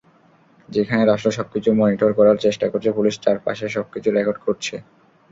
যেখানে রাষ্ট্র সবকিছু মনিটর করার চেষ্টা করছে, পুলিশ চারপাশের সবকিছু রেকর্ড করছে।